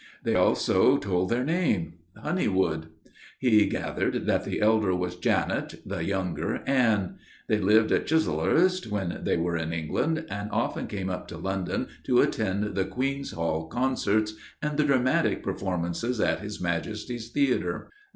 They also told their name Honeywood. He gathered that the elder was Janet, the younger Anne. They lived at Chislehurst when they were in England, and often came up to London to attend the Queen's Hall concerts and the dramatic performances at His Majesty's Theatre.